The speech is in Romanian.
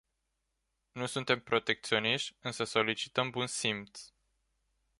Nu suntem protecționiști, însă solicităm bun simț.